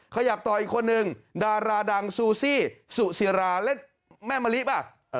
ขยับต่ออีกคนนึงดาราดังซูซี่สุศิราเล่นแม่มะลิป่ะ